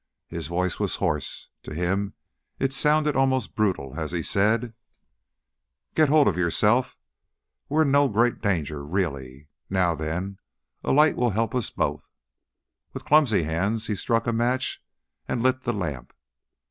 His voice was hoarse to him it sounded almost brutal as he said: "Get hold of yourself! We're in no great danger, really. Now then, a light will help us both." With clumsy hands he struck a match and lit the lamp.